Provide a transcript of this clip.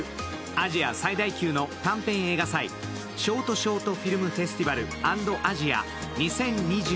アジア最大級の短編映画祭「ショートショートフィルムフェスティバル＆アジア２０２０」。